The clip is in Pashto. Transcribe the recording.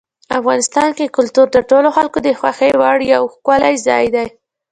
افغانستان کې کلتور د ټولو خلکو د خوښې وړ یو ښکلی ځای دی.